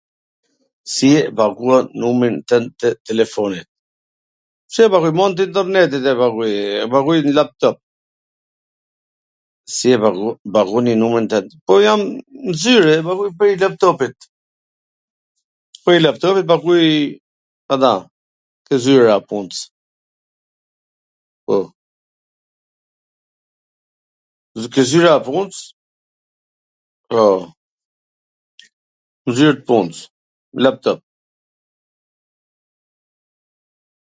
Si e paguan numrin twnd tw tekefonit? Si e paguaj, me an tw internetit e paguaj, e paguj nw laptop. ... Po jam n zyr, e, e paguaj prej laptopit, prej laptopit paguj ata, ke zyra e puns, po, ke zyra e puns, po, nw zyr t puns, laptop.